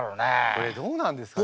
これどうなんですかね？